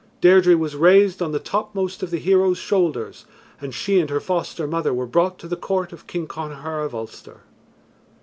Deirdre was raised on the topmost of the heroes' shoulders and she and her foster mother were brought to the Court of King Connachar of Ulster.